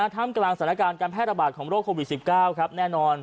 ท่ามกลางสถานการณ์การแพร่ระบาดของโรคโควิด๑๙ครับแน่นอน